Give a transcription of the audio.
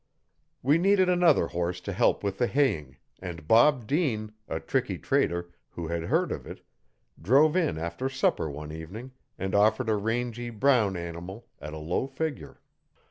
We needed another horse to help with the haying, and Bob Dean, a tricky trader, who had heard of it, drove in after supper one evening, and offered a rangy brown animal at a low figure.